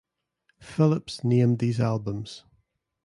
Phillips named these albums.